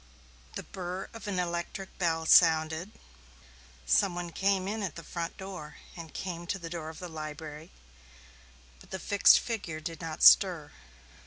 The burr of an electric bell sounded; some one came in at the front door and came to the door of the library, but the fixed figure did not stir.